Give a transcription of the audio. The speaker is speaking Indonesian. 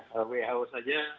kalau who saja